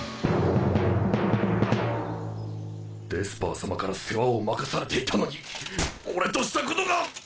デスパー様から世話を任されていたのに俺としたことが！